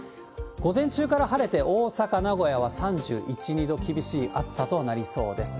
午前中から晴れて、大阪、名古屋は３１、２度、厳しい暑さとなりそうです。